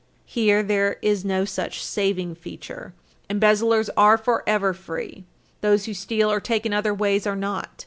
Here there is no such saving feature. Embezzlers are forever free. Those who steal or take in other ways are not.